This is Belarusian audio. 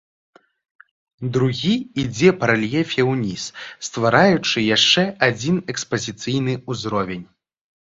Другі ідзе па рэльефе ўніз, ствараючы яшчэ адзін экспазіцыйны ўзровень.